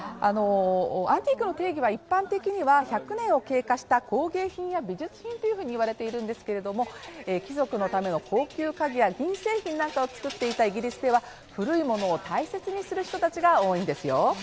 アンティークの定義は一般的には１００年を経過した工芸品や美術品といわれているんですけれども貴族のための高級家具や銀製品などを作っていたイギリスでは古いものを大切にする人たちが多いんですよ。